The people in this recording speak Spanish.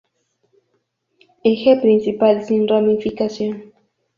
Eje principal sin ramificación.